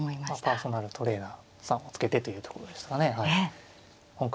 パーソナルトレーナーさんをつけてというところでしたかね。